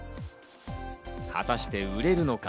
果たして売れるのか？